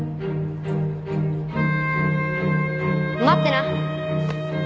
待ってな。